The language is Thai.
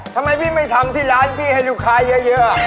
ทำไมพี่ไม่ทำที่ร้านพี่ให้ลูกค้าเยอะ